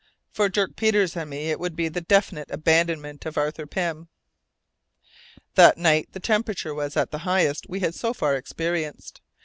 For Dirk Peters and me it would be the definite abandonment of Arthur Pym. That night the temperature was the highest we had so far experienced.